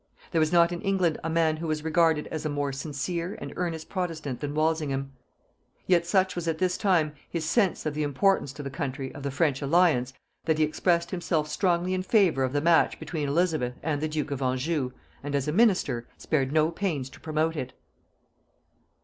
There was not in England a man who was regarded as a more sincere and earnest protestant than Walsingham; yet such was at this time his sense of the importance to the country of the French alliance, that he expressed himself strongly in favor of the match between Elizabeth and the duke of Anjou, and, as a minister, spared no pains to promote it.